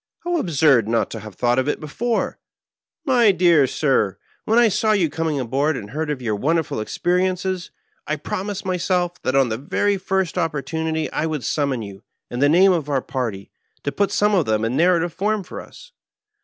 "How absurd not to have thought of it before 1 My dear sir, when I saw you coming aboard and heard of your wonderful experi ences, I promised myself that on the very first oppor tunity I would summon you, in the name of our party, to put some of them in narrative form for us.